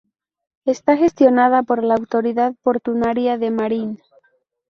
Está gestionada por la autoridad portuaria de Marín.